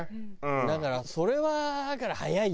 だからそれはだから早いよ。